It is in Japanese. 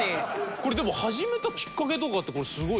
これでも始めたきっかけとかってすごい。